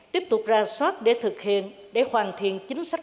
tiếp tục ra soát để thực hiện để hoàn thiện chính sách